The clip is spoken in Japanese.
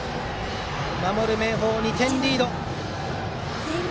守る明豊、２点リード。